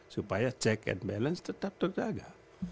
supaya check and balance tetap terjaga